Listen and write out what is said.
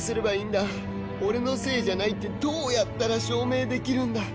俺のせいじゃないってどうやったら証明できるんだ？